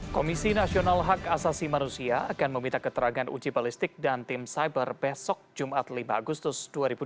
komisi nasional hak asasi manusia akan meminta keterangan uji balistik dan tim cyber besok jumat lima agustus dua ribu dua puluh